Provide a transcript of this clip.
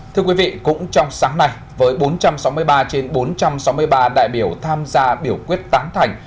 thưa quý vị cũng trong sáng nay với bốn trăm sáu mươi ba trên bốn trăm sáu mươi ba đại biểu tham gia biểu quyết tán thành